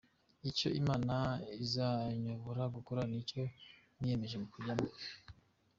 Icyo Imana izanyobora gukora ni cyo niyemeje kujyamo.